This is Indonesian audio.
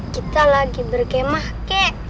kita lagi game kek